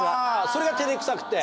それが照れくさくて？